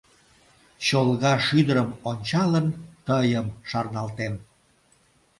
Чолга шӱдырым ончалын, тыйым шарналтем.